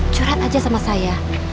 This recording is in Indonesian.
curhat aja sama saya